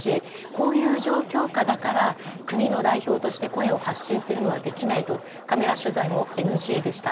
こういう状況下だから国の代表として声を発信するのはできないとカメラ取材もＮＧでした。